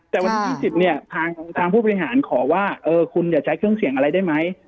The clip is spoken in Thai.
แต่วันที่๒๐เนี่ยทางผู้บริหารขอว่าคุณอย่าใช้เครื่องเสียงอะไรได้ไหม